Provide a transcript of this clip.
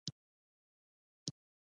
دا قیر د حرارت په کمه درجه کې نرمیږي